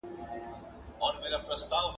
ورک سم په هینداره کي له ځان سره